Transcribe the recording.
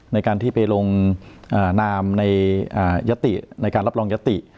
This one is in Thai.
ในการที่ไปลงนามในยติในการรับรองยติ